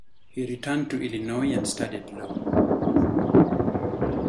He returned to Illinois and studied law.